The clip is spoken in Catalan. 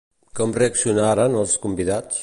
Com reaccionaren els convidats?